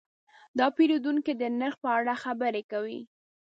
دا پیرودونکی د نرخ په اړه خبرې وکړې.